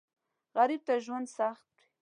غریب ته ژوند سخت وي